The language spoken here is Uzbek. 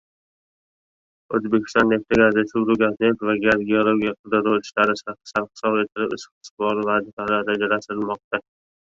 “O‘zbekneftgaz”: Respublika neft va gaz geologiya-qidiruv ishlari sarhisob etilib, istiqboldagi vazifalar rajalashtirilmoqda